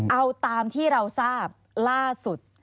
เอาตามที่เราทราบล่าสุด